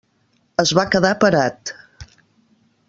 Es va quedar parat.